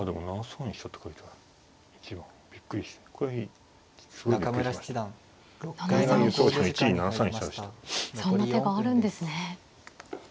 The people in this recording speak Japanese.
そんな手があるんですね。